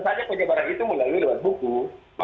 saya mieszkara dengan indonesia suatu kerja